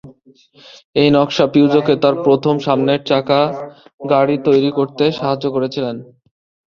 এই নকশা পিউজোকে তার প্রথম সামনের চাকার গাড়ি তৈরি করতে সাহায্য করেছিল।